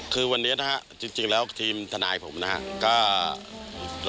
คือวันนี้นะฮะจริงแล้วทีมทนายผมนะครับ